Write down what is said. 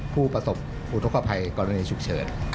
ผู้ประสบอุทธกภัยกรณีฉุกเฉิน